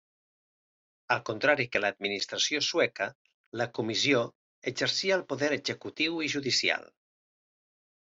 Al contrari que l'administració sueca, la comissió exercia el poder executiu i judicial.